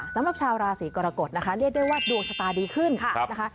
สำหรับชาวราศีกรกฎนะคะเรียกได้ว่าดวงชะตาดีขึ้นนะคะ